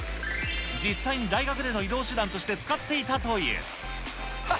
実際に大学での移動手段として使っていたという。